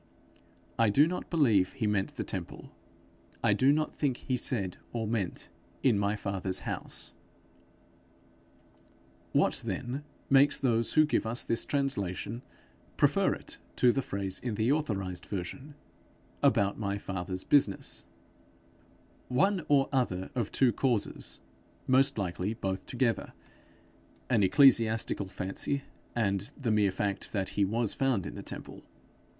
I do not believe he meant the temple; I do not think he said or meant 'in my fathers house'. What then makes those who give us this translation, prefer it to the phrase in the authorized version, 'about my Father's business'? One or other of two causes most likely both together: an ecclesiastical fancy, and the mere fact that he was found in the temple.